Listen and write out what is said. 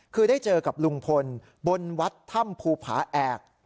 คือได้เจอกับลุงพลบนวัดถ้ำภูผาแอก